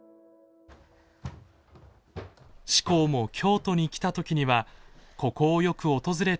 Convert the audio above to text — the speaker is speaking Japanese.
志功も京都に来た時にはここをよく訪れていました。